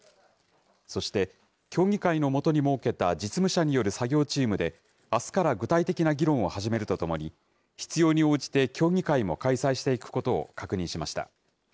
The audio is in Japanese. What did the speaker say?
そして、協議会のもとに設けた実務者による作業チームで、あすから具体的な議論を始めるとともに、必要に応じて協議会も開催していくことを確認しました。